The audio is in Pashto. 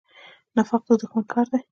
نفاق د دښمن کار دی